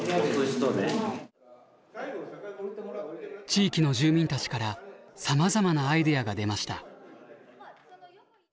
地域の住民たちからさまざまなアイデアが出ました。